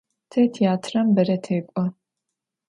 Te têatrem bere tek'o.